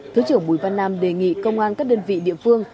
thứ trưởng bùi văn nam đề nghị công an các đơn vị địa phương